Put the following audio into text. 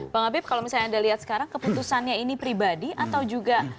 bang habib kalau misalnya anda lihat sekarang keputusannya ini pribadi atau juga